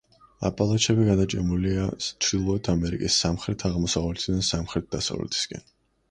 აპალაჩები გადაჭიმულია ჩრდილოეთ ამერიკის სამხრეთ-აღმოსავლეთიდან სამხრეთ-დასავლეთისაკენ.